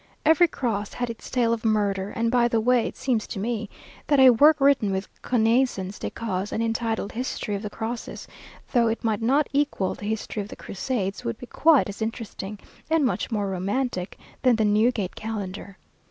Every cross had its tale of murder, and by the way, it seems to me, that a work written with connaissance de cause, and entitled "History of the Crosses," though it might not equal the "History of the Crusades," would be quite as interesting, and much more romantic, than the Newgate Calendar.